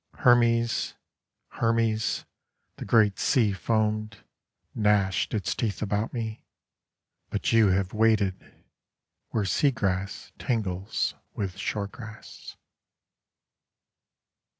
Hermes, Hermes, The great sea foamed, Gnashed its teeth about me; But you have waited, Where sea grass tangles withShore grass.